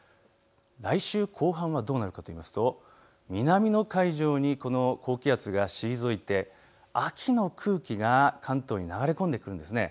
来週後半どうなるかといいますと南の海上にこの高気圧が退いて秋の空気が関東に流れ込んでくるんです。